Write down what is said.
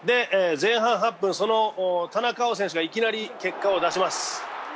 前半８分、その田中碧選手がいきなり結果を出します。